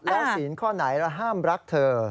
แล้วศีลข้อไหนแล้วห้ามรักเธอ